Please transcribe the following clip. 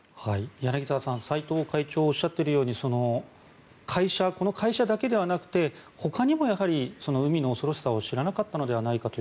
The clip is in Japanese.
柳澤さん、斎藤会長がおっしゃっているように会社、この会社だけではなくてほかにも海の恐ろしさを知らなかったのではないかと。